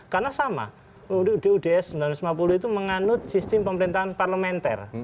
karena sama uuds seribu sembilan ratus lima puluh itu menganut sistem pemerintahan parlementer